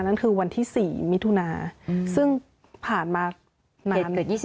นั่นคือวันที่๔มิถุนาซึ่งผ่านมานาน